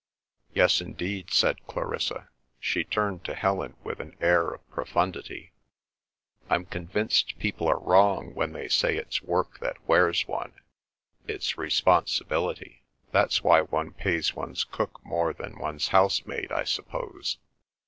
"Yes, indeed," said Clarissa. She turned to Helen with an air of profundity. "I'm convinced people are wrong when they say it's work that wears one; it's responsibility. That's why one pays one's cook more than one's housemaid, I suppose."